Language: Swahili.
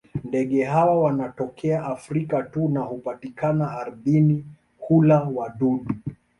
Ndege hawa wanatokea Afrika tu na hupatikana ardhini; hula wadudu.